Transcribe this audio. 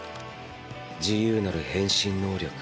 自由なる変身能力。